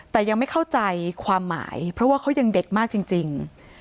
แต่ยังไม่เข้าใจความหมายเพราะว่าเขายังเด็กมากจริง